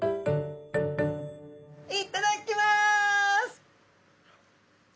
いっただっきます！